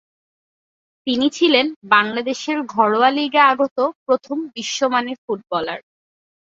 তিনি ছিলেন বাংলাদেশের ঘরোয়া লিগে আগত প্রথম বিশ্বমানের ফুটবলার।